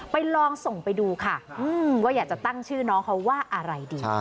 ลองส่งไปดูค่ะว่าอยากจะตั้งชื่อน้องเขาว่าอะไรดี